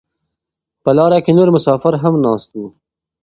په لاره کې نور مسافر هم ناست وو.